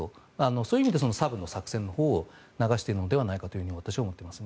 そういう意味でサブの作戦のほうを流しているのではないかと私は思っています。